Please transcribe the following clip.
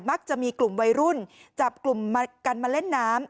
จะมีกลุ่มวัยรุ่นจับกลุ่มกันมาเล่นน้ำ